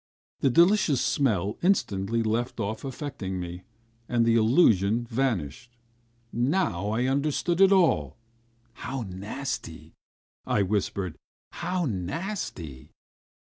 The delicious smell instantly left off affecting me, and the illusion vanished. ... Now I understood it all! "How nasty," I whispered, "how nasty!"